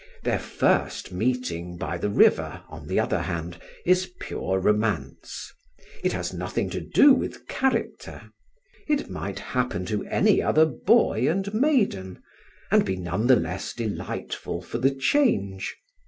Their first meeting by the river, on the other hand, is pure romance; it has nothing to do with character; it might happen to any other boy and maiden, and be none the less delightful for the change.